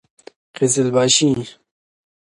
قـــزلــباشــــــــــي